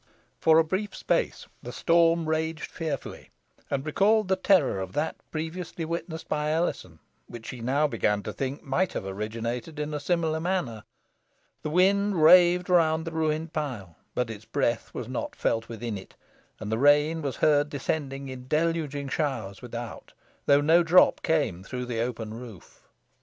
For a brief space the storm raged fearfully, and recalled the terror of that previously witnessed by Alizon, which she now began to think might have originated in a similar manner. The wind raved around the ruined pile, but its breath was not felt within it, and the rain was heard descending in deluging showers without, though no drop came through the open roof.